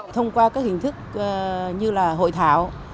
thông qua các hình thức như là hội thảo